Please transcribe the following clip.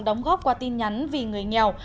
đóng góp qua tin nhắn vì người nghèo